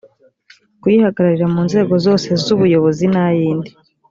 kuyihagararira mu nzego zose z ubuyobozi n ayindi